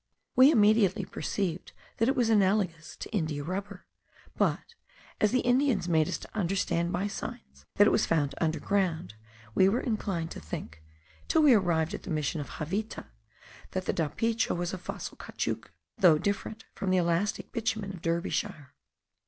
We immediately perceived that it was analogous to india rubber; but, as the Indians made us understand by signs, that it was found underground, we were inclined to think, till we arrived at the mission of Javita, that the dapicho was a fossil caoutchouc, though different from the elastic bitumen of Derbyshire.